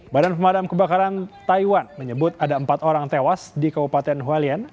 badan pemadam kebakaran taiwan menyebut ada empat orang tewas di kabupaten huelen